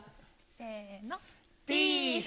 せーの、ピース。